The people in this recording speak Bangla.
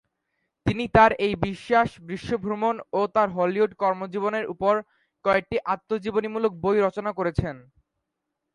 তিনি তার এই বিশ্বাস, বিশ্ব ভ্রমণ ও তার হলিউড কর্মজীবনের উপর কয়েকটি আত্মজীবনীমূলক বই রচনা করেছেন।